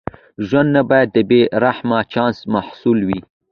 ژوند نه باید د بې رحمه چانس محصول وي.